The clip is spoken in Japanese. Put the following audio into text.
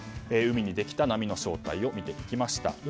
海にできた波の正体を見ていきました。